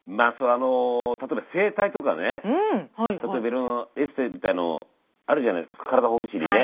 例えば整体とかねいろんなエステみたいのあるじゃない体ほぐしにね。